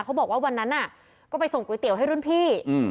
เขาบอกว่าวันนั้นก็ไปส่งก๋วยเตี๋ยวให้รุ่นพี่